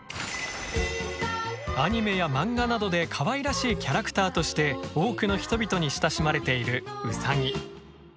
アニメや漫画などでかわいらしいキャラクターとして多くの人々に親しまれているウサギ。